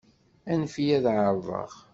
Anef-iyi ad εerḍeɣ.